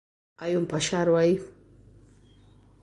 Hai un paxaro aí.